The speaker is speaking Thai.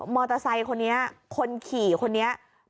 มอเตอร์ไซค์คนนี้คนขี่คนนี้